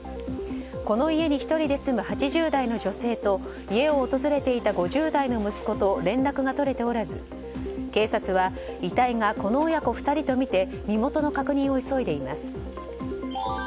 この家に１人で住む８０代の女性と家を訪れていた５０代の息子と連絡が取れておらず警察は遺体がこの親子２人とみて身元の確認を急いでいます。